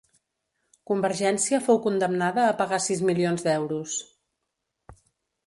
Convergència fou condemnada a pagar sis milions d'euros.